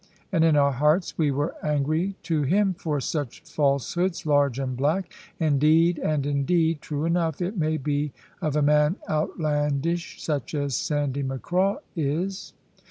And in our hearts we were angry to him, for such falsehoods large and black. Indeed and indeed, true enough it may be of a man outlandish such as Sandy Macraw is."